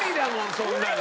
そんなの。